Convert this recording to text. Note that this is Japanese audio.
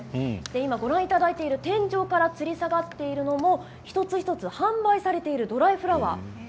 今、ご覧いただいている天井からつり下がっているものも一つ一つ、販売されているドライフラワー。